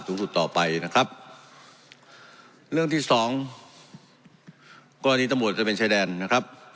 ต่อไปนะครับเรื่องที่สองกรณีตำรวจตะเวนชายแดนนะครับ